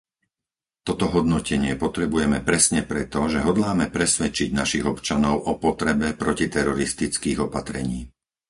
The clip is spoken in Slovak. Toto hodnotenie potrebujeme presne preto, že hodláme presvedčiť našich občanov o potrebe protiteroristických opatrení.